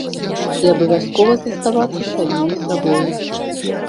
І абавязкова заставацца самімі сабою!